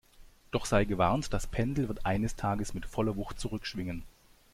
Doch sei gewarnt, das Pendel wird eines Tages mit voller Wucht zurückschwingen!